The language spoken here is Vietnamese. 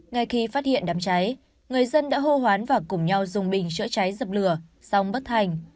ngay khi phát hiện đám cháy người dân đã hô hoán và cùng nhau dùng bình chữa cháy dập lửa xong bất thành